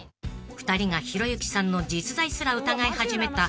［２人がひろゆきさんの実在すら疑い始めた］